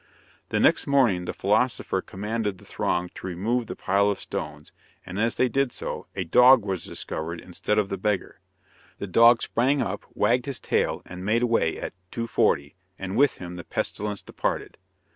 The next morning, the philosopher commanded the throng to remove the pile of stones, and as they did so, a dog was discovered instead of the beggar. The dog sprang up, wagged his tail, and made away at "two forty" and with him the pestilence departed.